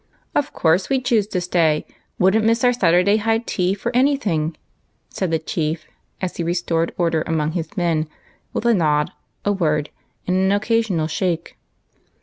" Of course, we choose to stay ! Would n't miss our Saturday high tea for any thing," said the Chief, as he restored order among his men with a nod, a word, and an occasional shake.